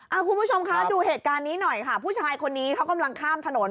คุณผู้ชมคะดูเหตุการณ์นี้หน่อยค่ะผู้ชายคนนี้เขากำลังข้ามถนน